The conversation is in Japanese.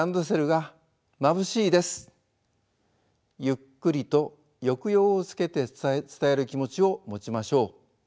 ゆっくりと抑揚をつけて伝える気持ちを持ちましょう。